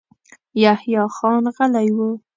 يحيی خان غلی و.